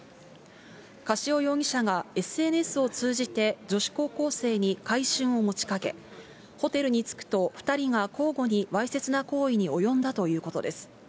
樫尾容疑者がＳＮＳを通じて女子高校生に買春を持ちかけ、ホテルに着くと２人が交互にわいせつな行為に及んだということです。